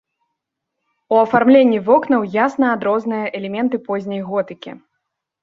У афармленні вокнаў ясна адрозныя элементы позняй готыкі.